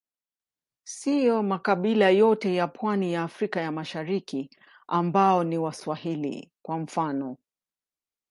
Siyo makabila yote ya pwani ya Afrika ya Mashariki ambao ni Waswahili, kwa mfano.